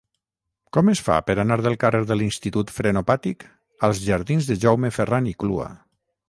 Com es fa per anar del carrer de l'Institut Frenopàtic als jardins de Jaume Ferran i Clua?